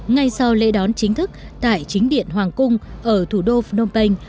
ngay sau lễ đón chính thức tại chính điện hoàng cung ở thủ đô phnom penh